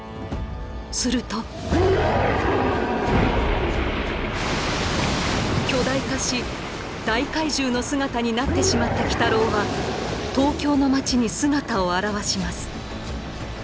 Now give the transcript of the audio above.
すると巨大化し大海獣の姿になってしまった鬼太郎は東京の街に姿を現します。